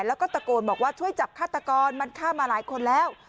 แล้วก็ตะโกนบอกว่าช่วยจับฆาตกรมันฆ่ามาหลายคนแล้ว